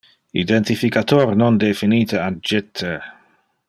Identificator non definite a 'jitter'.